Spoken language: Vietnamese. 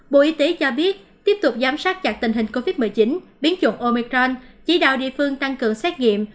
bộ y tế cho biết tiếp tục giám sát chặt tình hình covid một mươi chín biến chủng omicron chỉ đạo địa phương tăng cường xét nghiệm